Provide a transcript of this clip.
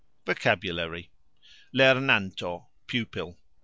VOCABULARY. lernanto : pupil.